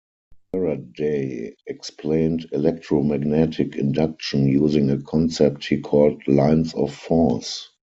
Faraday explained electromagnetic induction using a concept he called lines of force.